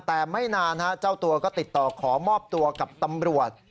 แต่ไม่นานเจ้าตัวก็ติดต่อขอมอบตัวกับตำรวจ